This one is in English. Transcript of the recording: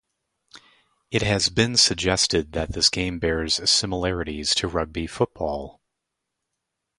It has been suggested that this game bears similarities to rugby football.